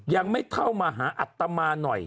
ยังไม่เข้ามาหาอัตมาหน่อย